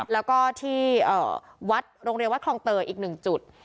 แล้วก็ที่วัดโรงเรียนวัดคลองเตยอีก๑จุด